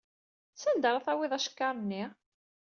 S anda ara tawiḍ acekkar-nni?